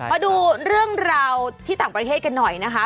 มาดูเรื่องราวที่ต่างประเทศกันหน่อยนะคะ